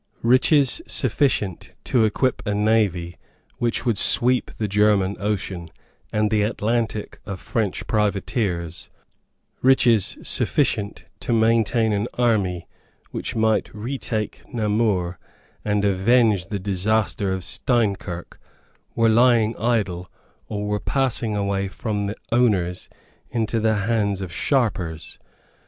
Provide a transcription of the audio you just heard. Riches sufficient to equip a navy which would sweep the German Ocean and the Atlantic of French privateers, riches sufficient to maintain an army which might retake Namur and avenge the disaster of Steinkirk, were lying idle, or were passing away from the owners into the hands of sharpers.